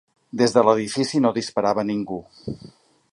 Des de l'edifici no disparava ningú.